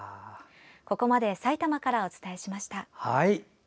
ここまでさいたまからお伝えしました。